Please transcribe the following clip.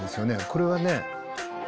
これはね